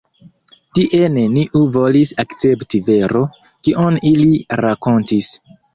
Tie neniu volis akcepti vero, kion ili rakontis.